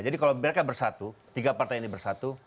jadi kalau mereka bersatu